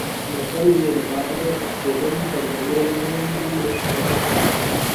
متل دی: له بارانه تښتېدم تر ناوې لانې مې شپه شوه.